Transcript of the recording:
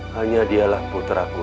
hanya dialah puter aku